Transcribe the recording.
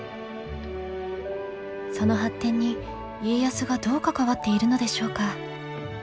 その発展に家康がどう関わっているのでしょうか。